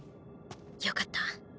よかった。